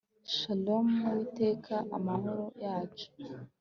SHALOMUWITEKA AMAHORO YACU